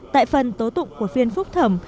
tại phần tố tụng của phiên phúc thẩm